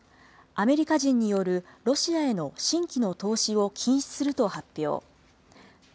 アメリカ人による、ロシアへの新規の投資を禁止すると発表。